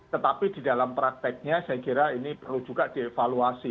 tetapi di dalam prakteknya saya kira ini perlu juga dievaluasi